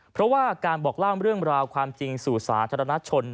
เพราะว่าการบอกเล่าเรื่องราวความจริงสู่สาธารณชน